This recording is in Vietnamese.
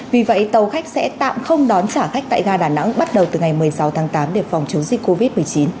vì vậy tàu khách sẽ tạm không đón trả khách tại ga đà nẵng bắt đầu từ ngày một mươi sáu tháng tám để phòng chống dịch covid một mươi chín